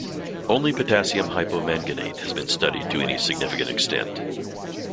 Only potassium hypomanganate has been studied to any significant extent.